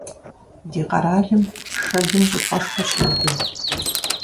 Ди къэралым шэдым щӀыпӀэшхуэ щеубыд.